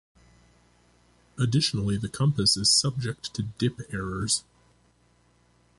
Additionally, the compass is subject to Dip Errors.